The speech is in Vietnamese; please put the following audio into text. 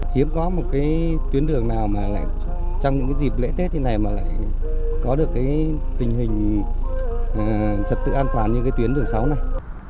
hiếm có một cái tuyến đường nào mà lại trong những cái dịp lễ tết như này mà lại có được cái tình hình trật tự an toàn như cái tuyến đường sáu này